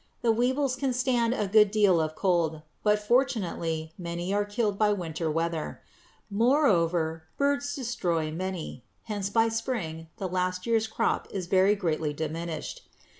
The weevils can stand a good deal of cold, but fortunately many are killed by winter weather. Moreover birds destroy many; hence by spring the last year's crop is very greatly diminished.